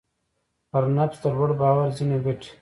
پر نفس د لوړ باور ځينې ګټې.